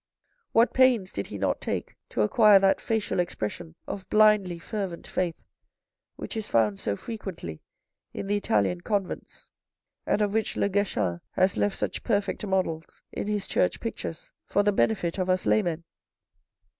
What pains did he not take to acquire that facial expression of blindly fervent faith which is found so frequently in the Italian convents, and of which Le Guerchin has left such perfect models in his Church pictures for the benefit of us laymen.